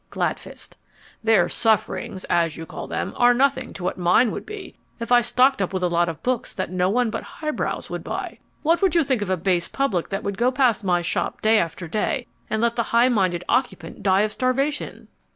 GLADFIST Their sufferings (as you call them) are nothing to what mine would be if I stocked up with a lot of books that no one but highbrows would buy. What would you think of a base public that would go past my shop day after day and let the high minded occupant die of starvation?